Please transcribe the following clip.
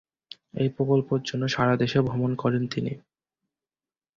এই প্রকল্পের জন্য সারা দেশ ভ্রমণ করেন তিনি।